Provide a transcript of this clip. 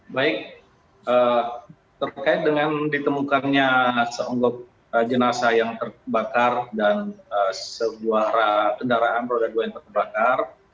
baik terkait dengan ditemukannya seonggok jenazah yang terbakar dan sebuah kendaraan roda dua yang terbakar